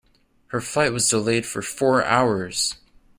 Her flight was delayed for four hours.